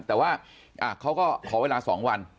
แต่ว่าเขาก็ขอเวลา๒วัน